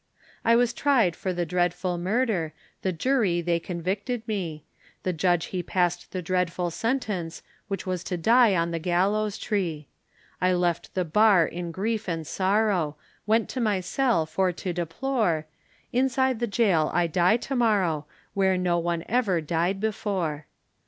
I was tried for the dreadful murder, The Jury they convicted me, The Judge he passed the dreadful sentence, Which was to die on the gallows tree; I left the Bar in grief and sorrow, Went to my cell for to deplore, Inside the Gaol I die to morrow, Where no one ever died before.